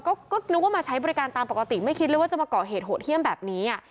ก็นึกว่ามาใช้บริการตามปกติไม่คิดเลยว่าจะมาก่อเหตุโหดเยี่ยมแบบนี้